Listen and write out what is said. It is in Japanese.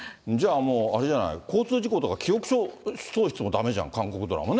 じゃあ、もうあれじゃない、交通事故とか記憶喪失もだめじゃん、韓国ドラマね。